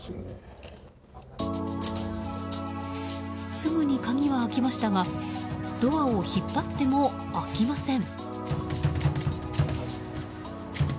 すぐに鍵は開きましたがドアを引っ張っても開きません。